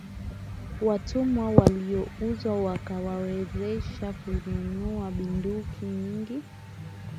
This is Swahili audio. Watumwa waliouzwa wakawawezesha kununua bunduki nyingi